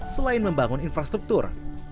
selain membangun infrastruktur